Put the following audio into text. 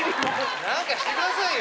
何かしてくださいよ！